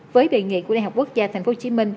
với đề nghị của đại học quốc gia tp hcm